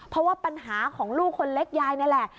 เพราะว่าปัญหาของลูกคนเล็กยายนี่แหละ